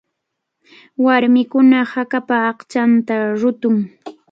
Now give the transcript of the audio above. Warmikuna hakapa aychanta ruqun.